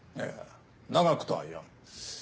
いや長くとは言わん。